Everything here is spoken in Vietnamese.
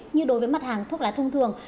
như đối với mặt hàng thuốc lá thông thường